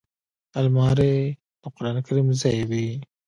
الماري د قران کریم ځای وي